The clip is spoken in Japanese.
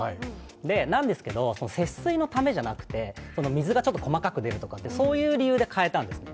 なんですけど、節水のためじゃなくて水がちょっと細かく出るとかそういう理由で変えたんですね。